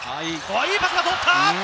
いいパスが通った！